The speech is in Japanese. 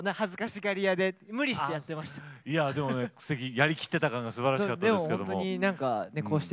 いやでもねやりきってた感がすばらしかったですけども。